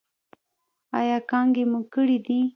ایا کانګې مو کړي دي؟